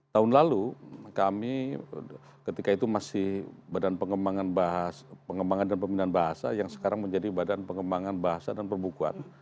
tahun lalu kami ketika itu masih badan pengembangan dan pembinaan bahasa yang sekarang menjadi badan pengembangan bahasa dan perbukuan